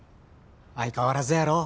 相変わらずやろ？